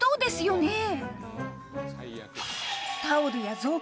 ねえ。